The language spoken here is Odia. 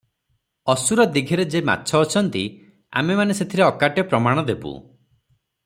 ଅସୁର ଦୀଘିରେ ଯେ ମାଛ ଅଛନ୍ତି ଆମେମାନେ ସେଥିରେ ଅକାଟ୍ୟ ପ୍ରମାଣ ଦେବୁଁ ।